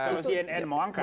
kalau cnn mau angkat